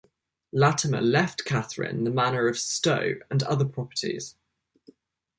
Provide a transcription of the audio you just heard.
Latimer left Catherine the manor of Stowe and other properties.